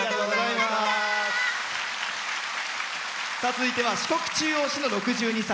続いては四国中央市の６２歳。